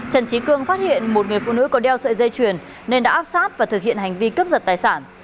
trần trí cương phát hiện một người phụ nữ có đeo sợi dây chuyền nên đã áp sát và thực hiện hành vi cướp giật tài sản